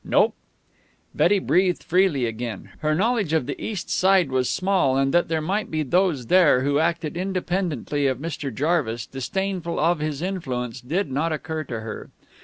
"Nope." Betty breathed freely again. Her knowledge of the East Side was small, and that there might be those there who acted independently of Mr. Jarvis, disdainful of his influence, did not occur to her.